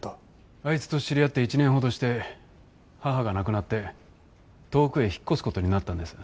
あいつと知り合って１年ほどして母が亡くなって遠くへ引っ越す事になったんです。